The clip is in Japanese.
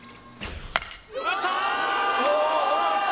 打った！